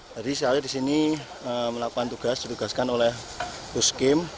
jadi saya disini melakukan tugas ditugaskan oleh puskim